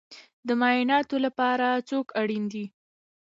د معایناتو لپاره څوک اړین دی؟